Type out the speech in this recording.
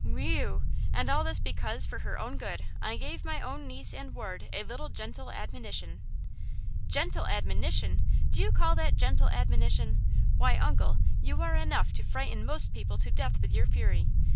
"Whee eu! and all this because, for her own good, I gave my own niece and ward a little gentle admonition." "Gentle admonition! Do you call that gentle admonition? Why, uncle, you are enough to frighten most people to death with your fury.